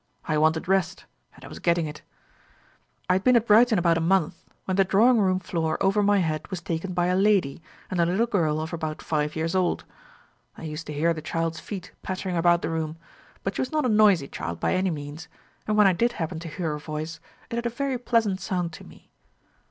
I wanted rest, and I was getting it. "I had been at Brighton about a month, when the drawing room floor over my head was taken by a lady, and her little girl of about five years old. I used to hear the child's feet pattering about the room; but she was not a noisy child by any means; and when I did happen to hear her voice, it had a very pleasant sound to me.